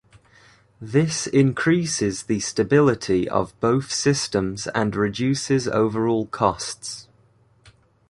This increases the stability of both systems and reduces overall costs.